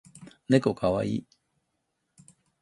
ねこかわいい